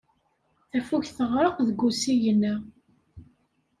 Tafukt teɣreq deg usigna.